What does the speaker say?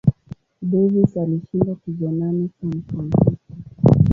Davis alishinda tuzo nane San Francisco.